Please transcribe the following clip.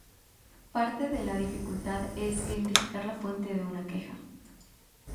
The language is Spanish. Parte de la dificultad es identificar la fuente de una queja.